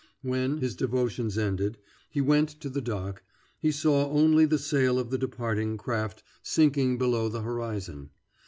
When, his devotions ended, he went to the dock, he saw only the sail of the departing craft sinking below the horizon.